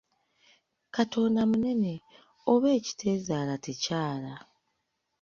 Katonda munene; oba ekiteezaala tekyala!